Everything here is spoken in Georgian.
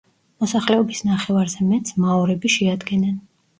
მოსახლეობის ნახევარზე მეტს მაორები შეადგენენ.